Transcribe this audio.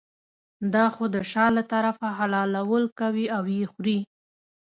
دا خو د شا له طرفه حلالول کوي او یې خوري.